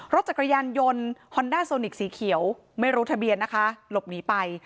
รถจักรยานยนต์ฮอนด้าโซนิกสีเขียวไม่รู้ทะเบียนนะคะหลบหนีไป